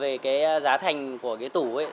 về cái giá thành của cái tủ ấy